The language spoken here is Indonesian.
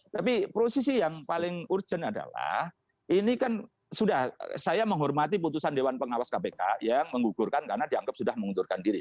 tapi posisi yang paling urgent adalah ini kan sudah saya menghormati putusan dewan pengawas kpk yang menggugurkan karena dianggap sudah mengundurkan diri